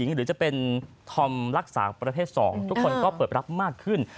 หรือจะเป็นธอมรักษาประเภท๒ทุกคนก็เปิดรับมากขึ้น